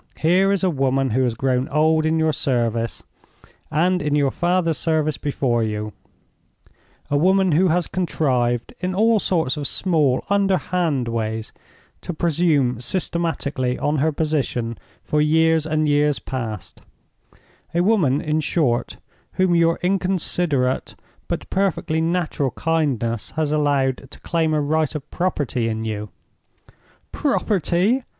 Here is a woman who has grown old in your service, and in your father's service before you; a woman who has contrived, in all sorts of small, underhand ways, to presume systematically on her position for years and years past; a woman, in short, whom your inconsiderate but perfectly natural kindness has allowed to claim a right of property in you—" "Property!"